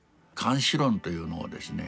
「諫死論」というのをですね